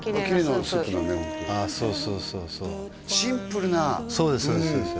ホントああそうそうそうそうシンプルなそうです